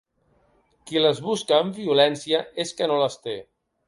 Qui les busca amb violència és que no les té.